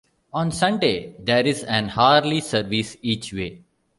On Sunday, there is an hourly service each way.